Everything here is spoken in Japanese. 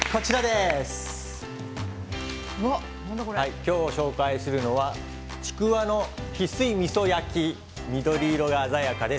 今日ご紹介するのはちくわの翡翠みそ焼き緑色が鮮やかです。